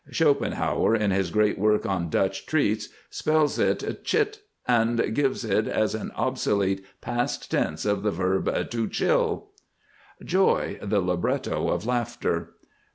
Schopenhauer in his great work on Dutch Treats spells it chilt, and gives it as an obsolete past tense of the verb to chill. JOY. The Libretto of Laughter.